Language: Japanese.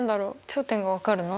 頂点が分かるの？